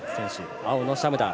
青のシャムダン。